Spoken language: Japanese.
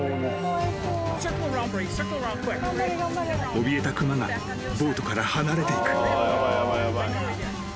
［おびえた熊がボートから離れていく］